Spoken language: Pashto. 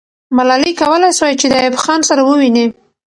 ملالۍ کولای سوای چې د ایوب خان سره وویني.